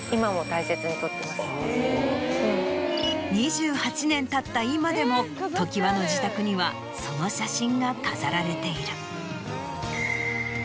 ２８年たった今でも常盤の自宅にはその写真が飾られている。